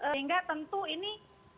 sehingga tentu ini